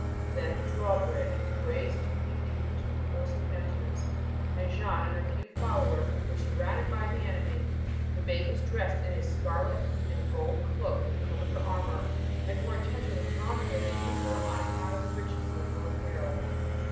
Then the drawbridge was raised to keep the English from forcing an entrance and Jeanne and her few followers were surrounded by the enemy. The Maid was dressed in a scarlet and gold cloak which covered her armor, and more attention was drawn to her than usual on account of the richness of her apparel.